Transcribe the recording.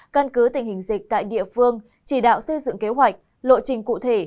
căn cứ tình hình dịch tại địa phương chỉ đạo xây dựng kế hoạch lộ trình cụ thể